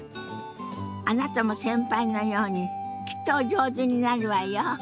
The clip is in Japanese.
あなたも先輩のようにきっとお上手になるわよ。